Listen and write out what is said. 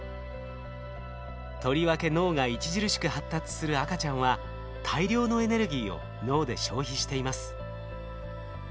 とりわけ脳が著しく発達する赤ちゃんは大量のエネルギーを脳で消費しています。